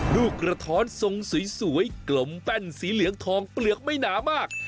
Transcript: ลูกกระท้อนทรงสวยกลมแป้นสีเหลืองทองเปลือกไม่หนามาก